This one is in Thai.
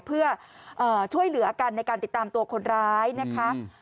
เพื่อช่วยเหลือกันในการติดตามตัวคนร้ายนะคะ